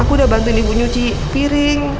aku udah bantuin ibu nyuci piring